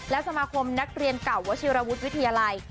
และสมาคมนักเรียนเก่าวชิรวุฒิวิทยาลัย